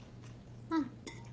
うん。